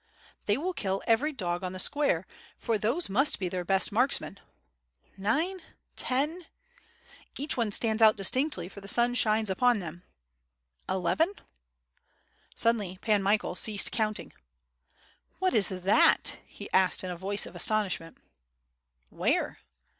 they will kill every dog on the square, for thoce must be their best marksmen .... nine, ten .... each one stands out distinctly for the sun shines upon them .... eleven ...." Suddenly Pan Michael ceased counting. "What is that?" he asked in a voice of astonishment. "Where?"